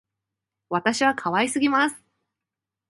私は可愛すぎます